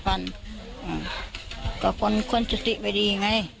อะก็ค่ะคนเค้าจะติไปดีอะไง